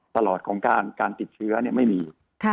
ตลอดของการติดเชื้อไม่มี